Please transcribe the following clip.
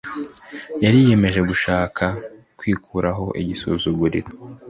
yari yiyemeje ishaka kwikuraho igisuzuguriro